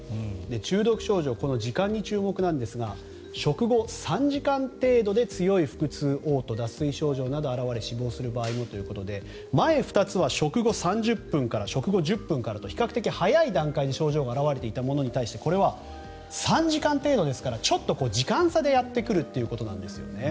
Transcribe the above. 中毒症状、時間に注目なんですが食後３時間程度で強い腹痛、おう吐脱水症状など現れ死亡する場合もということで前２つは食後３０分から食後１０分からと比較的早い段階で症状が表れていたものに対してこれは３時間程度ですからちょっと時間差でやってくるということなんですよね。